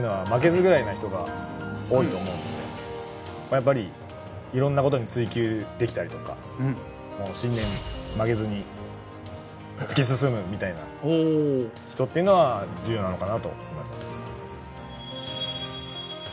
やっぱりいろんなことに追求できたりとかもう信念曲げずに突き進むみたいな人っていうのは重要なのかなと思います。